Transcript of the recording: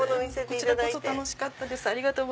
こちらこそ楽しかったです。